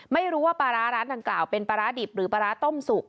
ไม่รู้ว่าปลาร้าร้านดังกล่าวเป็นปลาร้าดิบหรือปลาร้าต้มสุก